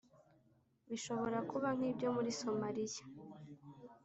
bishobora kuba nk'ibyo muri somaliya,